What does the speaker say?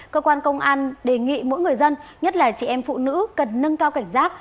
cơ quan công an đề nghị mỗi người dân nhất là chị em phụ nữ cần nâng cao cảnh giác